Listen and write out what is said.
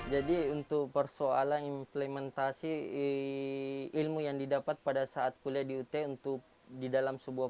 jadi untuk persoalan implementasi ilmu yang didapat pada saat kuliah di ut untuk di dalam sebuah